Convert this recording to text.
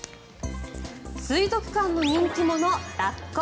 水族館の人気者、ラッコ。